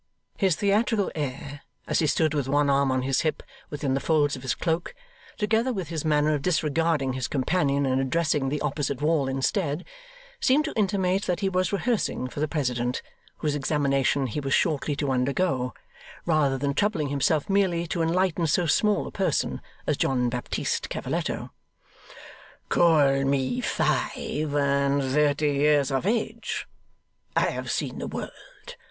His theatrical air, as he stood with one arm on his hip within the folds of his cloak, together with his manner of disregarding his companion and addressing the opposite wall instead, seemed to intimate that he was rehearsing for the President, whose examination he was shortly to undergo, rather than troubling himself merely to enlighten so small a person as John Baptist Cavalletto. 'Call me five and thirty years of age. I have seen the world.